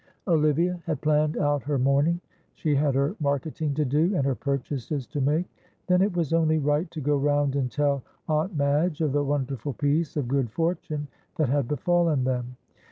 Olivia had planned out her morning. She had her marketing to do, and her purchases to make. Then it was only right to go round and tell Aunt Madge of the wonderful piece of good fortune that had befallen them.